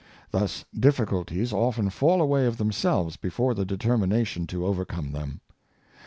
Thus difficulties often fall away of themselves before the determination ta overcome them.